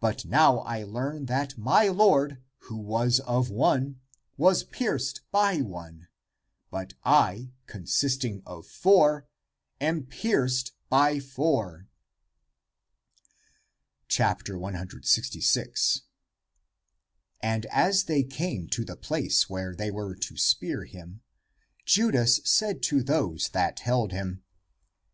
But now I learn that my Lord, who was of one, was pierced by one,^ but I, consisting of four, am pierced by four." 166. And as they came to the place where they were to spear him, Judas said to those that held him.